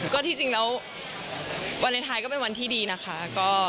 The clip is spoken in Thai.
ก็ที่จริงแล้ววาเลนไทยก็เป็นวันที่ดีนะคะ